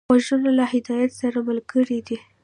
غوږونه له هدایت سره ملګري دي